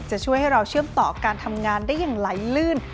จะช่วยให้เราเชื่อมต่อการทำงานได้อย่างไหลลื่น